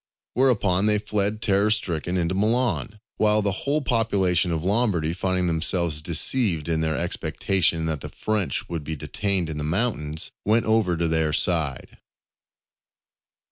Whereupon they fled terror stricken into Milan; while the whole population of Lombardy, finding themselves deceived in their expectation that the French would be detained in the mountains, went over to their side.